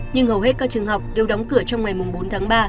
nhưng hầu hết các trường học đều đóng cửa trong ngày bốn tháng ba